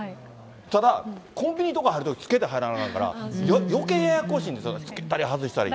ただ、コンビニとか入ると、着けてはいらないから、よけいややこしいんですよね、着けたり外したり。